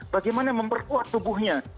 bagaimana memperkuat tubuhnya